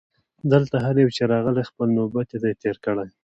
دلته هر یو چي راغلی خپل نوبت یې دی تېر کړی